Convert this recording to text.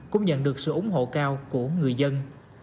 cũng nhận được sự ủng hộ cao của người dân